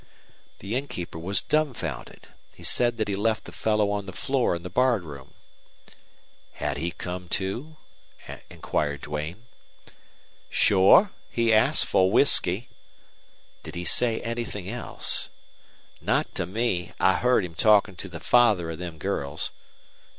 The innkeeper was dumfounded. He said that he left the fellow on the floor in the bar room. "Had he come to?" inquired Duane. "Sure. He asked for whisky." "Did he say anything else?" "Not to me. I heard him talkin' to the father of them girls."